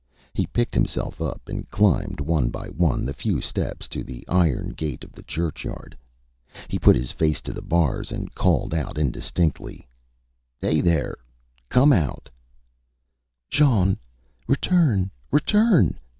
He picked himself up and climbed one by one the few steps to the iron gate of the churchyard. He put his face to the bars and called out indistinctly ÂHey there! Come out!Â ÂJean! Return! Return!